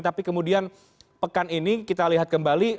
tapi kemudian pekan ini kita lihat kembali